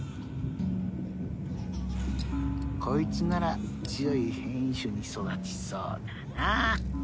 こいつなら強い変異種に育ちそうだな。